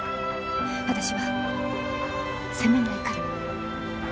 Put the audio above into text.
私は責めないから。